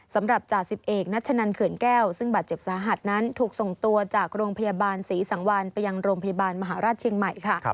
สำหรับจ่าสิบเอกนัชนันเขื่อนแก้วซึ่งบาดเจ็บสาหัสนั้นถูกส่งตัวจากโรงพยาบาลศรีสังวัลไปยังโรงพยาบาลมหาราชเชียงใหม่ค่ะ